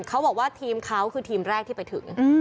เขาบอกว่าทีมเขาคือทีมแรกที่ไปถึง